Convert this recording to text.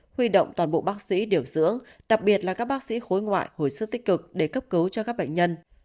huy động toàn bộ bác sĩ điều dưỡng đặc biệt là các bác sĩ khối ngoại hồi sức tích cực để cấp cứu cho các bệnh nhân